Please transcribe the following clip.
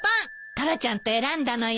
タラちゃんと選んだのよ。